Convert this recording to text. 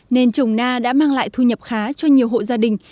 nên trồng na đã mang lại thu nhập khá cho nhiều hộ gia đình